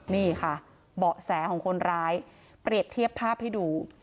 นี่ค่ะเบาะแสของคนร้ายเปรียบเทียบภาพให้ดู